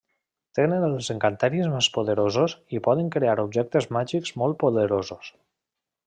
Tenen els encanteris més poderosos i poden crear objectes màgics molt poderosos.